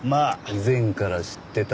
以前から知ってた？